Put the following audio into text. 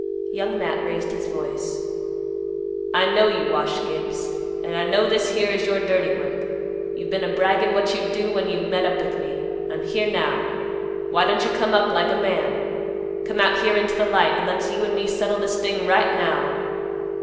Young Matt raised his voice, "I know you, Wash Gibbs, and I know this here is your dirty work. You've been a braggin' what you'd do when you met up with me. I'm here now. Why don't you come up like a man? Come out here into the light and let's you and me settle this thing right now.